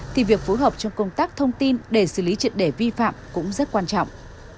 thì việc phối hợp trong công tác thông tin để xử lý triệt đề vi phạm cũng rất quan trọng